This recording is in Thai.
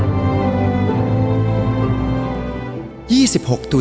ถือเป็นการรังสรรค์แทนหัวใจประสบกรณิกรชาวไทยทุกคน